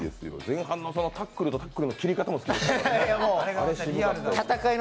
前半のタックルとかの切り方もすごい。